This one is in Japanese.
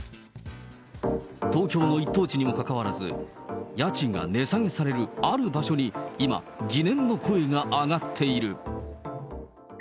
東京の一等地にもかかわらず、家賃が値下げされるある場所に、今、疑念の声が上がっている。